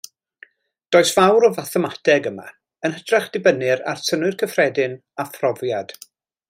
Does fawr o fathemateg yma, yn hytrach dibynnir ar synnwyr cyffredin a phrofiad.